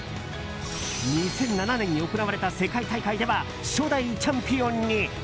２００７年に行われた世界大会では初代チャンピオンに。